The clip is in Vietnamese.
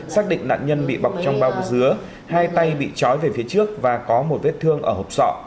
xác định nạn nhân bị bọc trong bao bì dứa hai tay bị trói về phía trước và có một vết thương ở hộp sọ